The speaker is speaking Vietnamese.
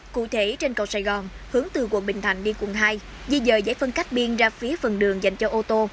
cụ thể trên cầu sài gòn hướng từ quận bình thạnh đi quận hai di dời giải phân cách biên ra phía phần đường dành cho ô tô